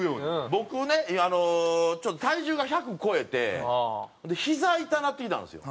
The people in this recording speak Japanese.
僕ね体重が１００超えてひざ痛なってきたんですよ。